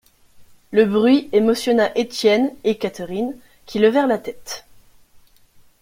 Un bruit émotionna Étienne et Catherine, qui levèrent la tête.